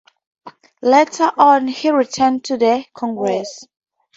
Later on he returned to the Congress.